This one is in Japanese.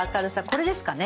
これですかね。